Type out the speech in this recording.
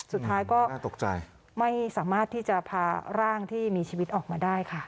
สุดท้ายก็น่าตกใจไม่สามารถที่จะพาร่างที่มีชีวิตออกมาได้ค่ะ